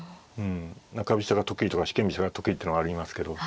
中飛車が得意とか四間飛車が得意ってのはありますけど。